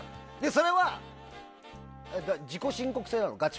それは自己申告制なの？